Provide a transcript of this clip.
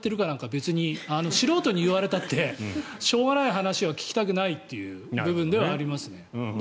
別に素人に言われたってしょうがない話は聞きたくないという部分ではありますね。